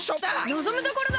のぞむところだ！